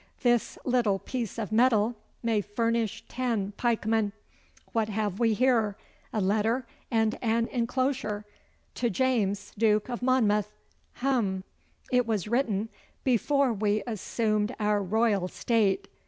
This little piece of metal may furnish ten pikemen. What have we here? A letter and an enclosure. "To James, Duke of Monmouth" hum! It was written before we assumed our royal state.